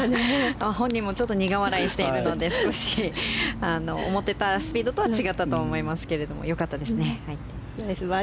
本人もちょっと苦笑いしているので少し思っていたスピードとは違ったと思いますが良かったですね。